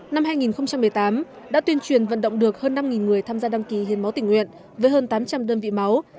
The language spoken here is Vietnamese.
năm hai nghìn một mươi tám đã tuyên truyền vận động được hơn năm người tham gia đăng ký hiến máu tình nguyện với hơn tám trăm linh đơn vị máu